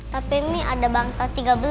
tapi ini ada bangsa tiga belas